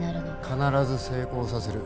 必ず成功させる。